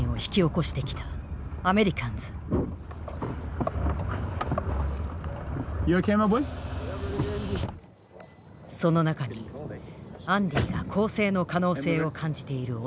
その中にアンディが更生の可能性を感じている男がいた。